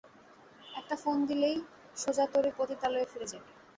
একটা ফোন দিলেই, সোজা তোর ওই পতিতালয়ে ফিরে যাবি।